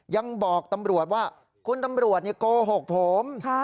ยังบอกตำรวจว่าคุณตำรวจโกหกผม